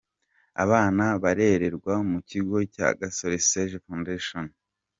Abana barererwa mu kigo cya Gasore Serge Foundation.